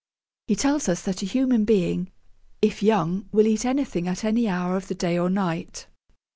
He tells us that a human being, 'if young, will eat anything at any hour of the day or night.'